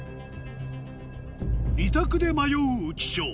２択で迷う浮所